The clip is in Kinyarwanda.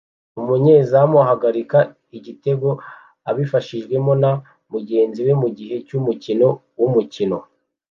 Umunyezamu uhagarika igitego abifashijwemo na mugenzi we mugihe cyumukino wumukino